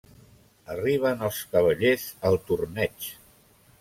Arriben els cavallers al torneig.